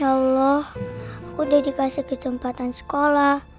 ya allah aku udah dikasih kesempatan sekolah